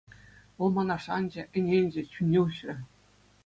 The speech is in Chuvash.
Вӑл мана шанчӗ, ӗненчӗ, чунне уҫрӗ.